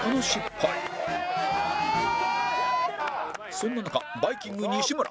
そんな中バイきんぐ西村